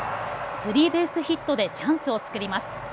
スリーベースヒットでチャンスを作ります。